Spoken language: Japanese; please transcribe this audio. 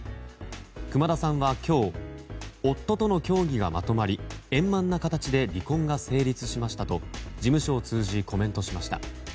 熊田さんは今日夫との協議がまとまり円満な形で離婚が成立しましたと事務所を通じコメントしました。